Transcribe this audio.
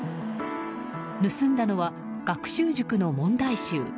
盗んだのは学習塾の問題集。